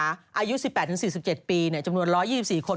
อายุ๑๘๔๗ปีจำนวน๑๒๔คน